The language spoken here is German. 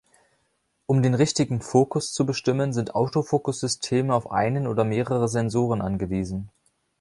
Um den richtigen Fokus zu bestimmen, sind Autofokussysteme auf einen oder mehrere Sensoren angewiesen.